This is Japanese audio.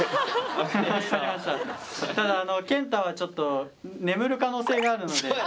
ただあのけんたはちょっと眠る可能性があるので。